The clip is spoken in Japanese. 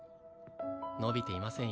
伸びていませんよ